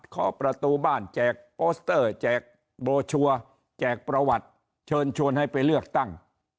ขอประตูบ้านแจกโปสเตอร์แจกโบชัวร์แจกประวัติเชิญชวนให้ไปเลือกตั้ง